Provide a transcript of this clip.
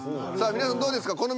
さあ皆さんどうですか？